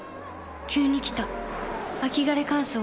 急に来た秋枯れ乾燥。